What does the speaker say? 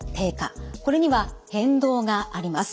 これには変動があります。